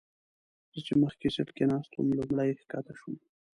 زه چې مخکې سیټ کې ناست وم لومړی ښکته شوم.